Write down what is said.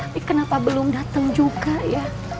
tapi kenapa belum datang juga ya